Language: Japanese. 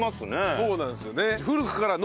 そうなんですよね。